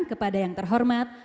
kepada yang terhormat